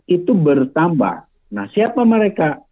itu bertambah nah siapa mereka